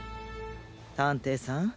探偵さん